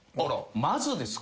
まずですか？